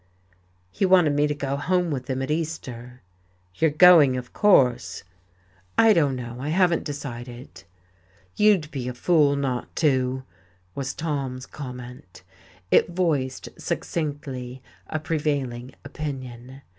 "He wanted me to go home with him at Easter." "You're going, of course." "I don't know. I haven't decided." "You'd be a fool not to," was Tom's comment. It voiced, succinctly, a prevailing opinion.